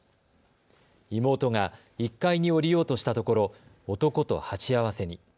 妹が１階に下りようとしたところ男と鉢合わせに。